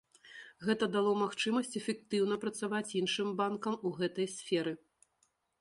Гэта дало магчымасць эфектыўна працаваць іншым банкам у гэтай сферы.